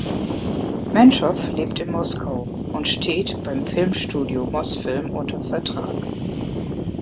Menschow lebt in Moskau und steht beim Filmstudio Mosfilm unter Vertrag.